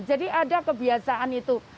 jadi ada kebiasaan itu